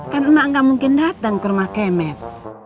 kan mak nggak mungkin datang ke rumah kemet